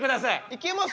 いけます？